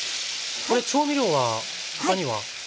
これ調味料は他には？